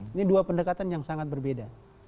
ini dua pendekatan yang sangat berbeda